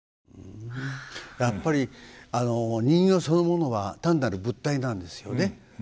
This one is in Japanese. やっぱり人形そのものは単なる物体なんですよね。